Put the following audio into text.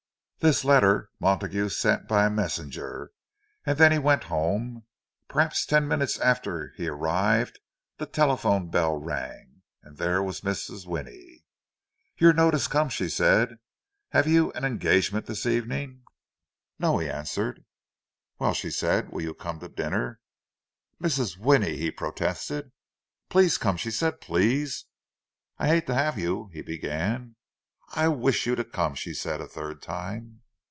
This letter Montague sent by a messenger; and then he went home. Perhaps ten minutes after he arrived, the telephone bell rang—and there was Mrs. Winnie. "Your note has come," she said. "Have you an engagement this evening?" "No," he answered. "Well," she said, "will you come to dinner?" "Mrs. Winnie—" he protested. "Please come," she said. "Please!" "I hate to have you—" he began. "I wish you to come!" she said, a third time.